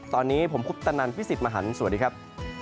ตอนนี้ผมคุปตะนันพี่สิทธิ์มหันฯสวัสดีครับ